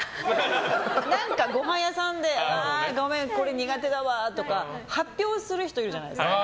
何か、ごはん屋さんでごめん、これ苦手だわとか発表する人いるじゃないですか。